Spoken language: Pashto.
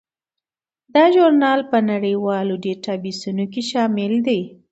دا ژورنال په نړیوالو ډیټابیسونو کې شامل دی.